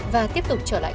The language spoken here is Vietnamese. và tiếp tục trở lại